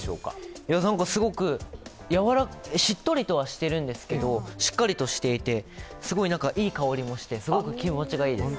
すごくしっとりとはしてるんですけど、しっかりとしていてすごいいい香りもして、すごく気持ちがいいです。